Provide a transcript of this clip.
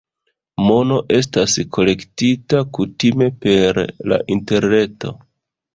Mono estas kolektita kutime per la Interreto.